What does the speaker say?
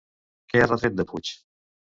Què ha retret de Puig?